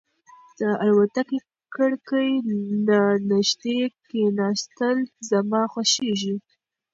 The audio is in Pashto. د الوتکې کړکۍ ته نږدې کېناستل زما خوښېږي.